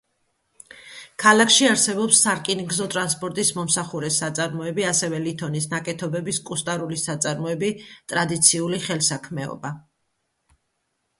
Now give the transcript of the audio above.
ქალაქში არსებობს სარკინიგზო ტრანსპორტის მომსახურე საწარმოები, ასევე ლითონის ნაკეთობების კუსტარული საწარმოები, ტრადიციული ხელსაქმეობა.